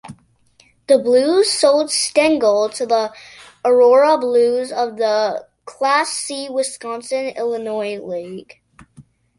The Blues sold Stengel to the Aurora Blues of the Class C Wisconsin-Illinois League.